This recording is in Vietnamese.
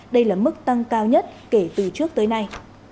đây là mức tăng cao nhất kể từ trước tới nay